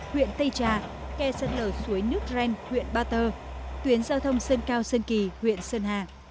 huyện tây trà kè sân lở suối nước ren huyện ba tơ tuyến giao thông sơn cao sơn kỳ huyện sơn hà